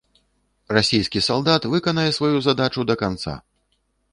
Расійскі салдат выканае сваю задачу да канца!